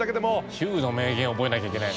ヒューの名言覚えなきゃいけないの？